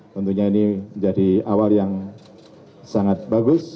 tentunya ini menjadi awal yang sangat bagus